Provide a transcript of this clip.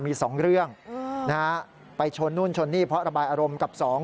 มีสองเรื่องนะฮะไปชนนู่นชนนี่เพราะระบายอารมณ์กับสอง